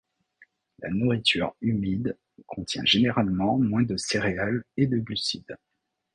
La nourriture humide contient généralement moins de céréales et de glucides.